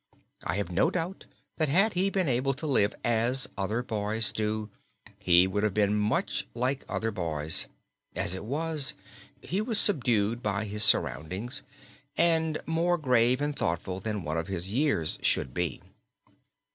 I have no doubt that had he been able to live as other boys do, he would have been much like other boys; as it was, he was subdued by his surroundings, and more grave and thoughtful than one of his years should be.